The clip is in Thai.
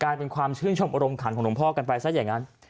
รมคันของหลวงพ่อกันไปในไกล